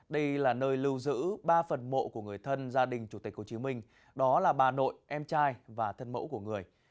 đây là nơi lưu giữ ba phần mộ của người thân gia đình chủ tịch hồ chí minh đó là bà nội em trai và thân mẫu của người